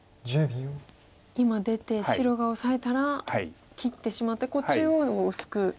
今出て白がオサえたら切ってしまって中央を薄く。